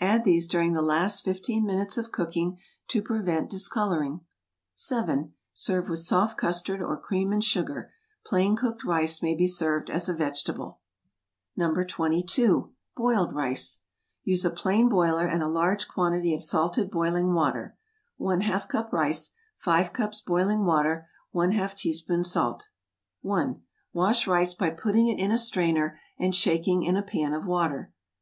Add these during the last fifteen minutes of cooking to prevent discoloring. 7. Serve with soft custard or cream and sugar. Plain cooked rice may be served as a vegetable. [Illustration: Drain through a colander.] NO. 22. BOILED RICE. Use a plain boiler and a large quantity of salted boiling water. ½ cup rice 5 cups boiling water ½ teaspoon salt 1. Wash rice by putting it in a strainer and shaking in a pan of water.